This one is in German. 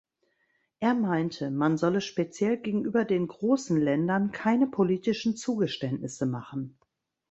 Er meinte, man solle speziell gegenüber den großen Ländern keine politischen Zugeständnisse machen.